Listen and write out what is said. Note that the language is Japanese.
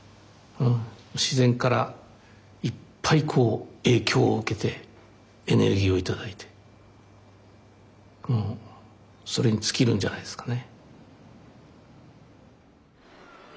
自然からいっぱい影響を受けてエネルギーを頂いてもうそれに尽きるんじゃないですかね。